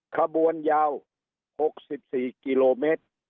ขบวนยาว๖๔กม